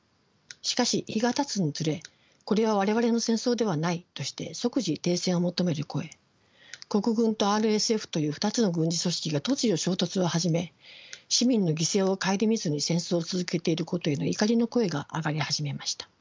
しかし日がたつにつれ「これは我々の戦争ではない」として即時停戦を求める声国軍とＲＳＦという２つの軍事組織が突如衝突を始め市民の犠牲を顧みずに戦争を続けていることへの怒りの声が上がり始めました。